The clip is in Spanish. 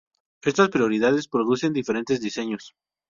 Estas prioridades producen diferentes diseños.